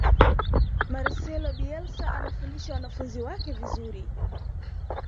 marcelo bielsa anafundisha wanafunzi wake vizuri